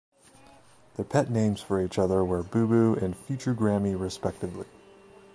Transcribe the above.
Their pet names for each other were "Boo-boo" and "Future Grammy" respectively.